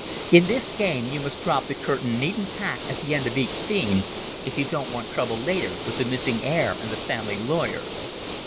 In this game you must drop the curtain neat and pat at the end of each Scene, if you don't want trouble later with the missing heir and the family lawyer."